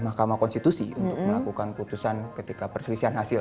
mahkamah konstitusi untuk melakukan putusan ketika perselisihan hasil